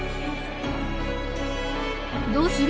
どうする？